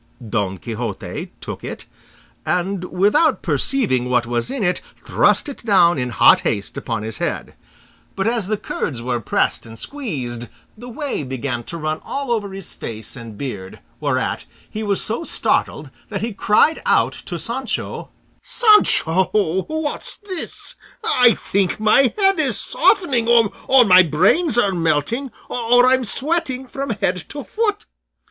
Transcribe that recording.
Don Quixote took it, and without perceiving what was in it thrust it down in hot haste upon his head; but as the curds were pressed and squeezed the whey began to run all over his face and beard, whereat he was so startled that he cried out to Sancho: "Sancho, what's this? I think my head is softening, or my brains are melting, or I am sweating from head to foot!